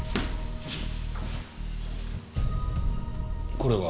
これは？